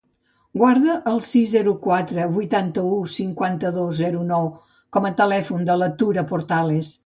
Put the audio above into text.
Guarda el sis, zero, quatre, vuitanta-u, cinquanta-dos, zero, nou com a telèfon de la Tura Portales.